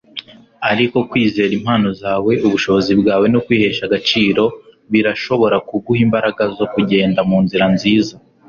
ariko kwizera impano zawe, ubushobozi bwawe, no kwihesha agaciro birashobora kuguha imbaraga zo kugenda munzira nziza